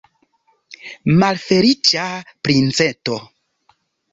Malfeliĉa princeto!